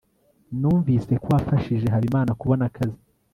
numvise ko wafashije habimana kubona akazi